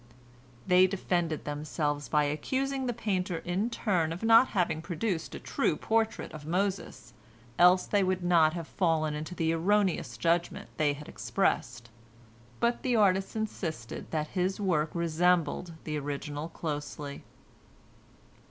They defended themselves by accusing the painter in turn of not having produced a true portrait of Moses, else they would not have fallen into the erroneous judgment they had expressed. But the artist insisted that his work resembled the original closely.